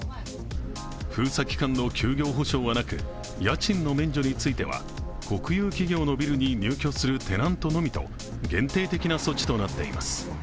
封鎖期間の休業補償はなく家賃の免除については国有企業のビルに入居するテナントのみと限定的な措置となっています。